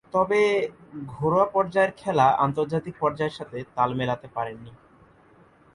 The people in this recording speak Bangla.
তবে, ঘরোয়া পর্যায়ের খেলা আন্তর্জাতিক পর্যায়ের সাথে তাল মেলাতে পারেননি।